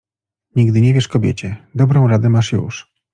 nigdy nie wierz kobiecie, dobrą radę masz już